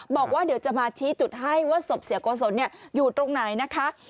บอกว่าเดี๋ยวจะมาชี้จุดให้ว่าศพเสียโกศลอยู่ตรงไหนนะคะ